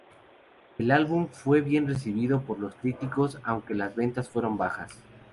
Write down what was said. El álbum fue bien recibido por los críticos, aunque las ventas fueron bajas.